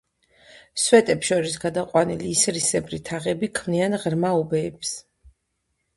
სვეტებს შორის გადაყვანილი ისრისებრი თაღები ქმნიან ღრმა უბეებს.